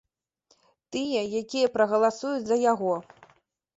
Тыя, якія прагаласуюць за яго.